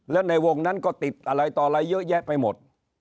แล้วในวงนั้นก็ติดอะไรต่ออะไรเยอะแยะไปหมด